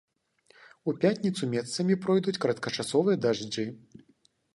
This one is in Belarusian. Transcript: У пятніцу месцамі пройдуць кароткачасовыя дажджы.